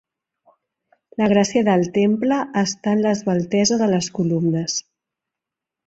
La gràcia del temple està en l'esveltesa de les columnes.